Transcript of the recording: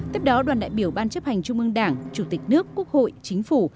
tiếp đó đoàn đại biểu ban chấp hành trung ương đảng chủ tịch nước quốc hội chính phủ